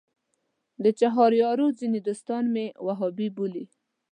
د چهاریارو ځینې دوستان مې وهابي بولي.